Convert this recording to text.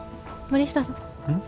森下さん？